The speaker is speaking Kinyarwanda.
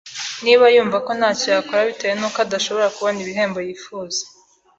Niba yumva ko nta cyo yakora bitewe n’uko adashobora kubona ibihembo yifuza,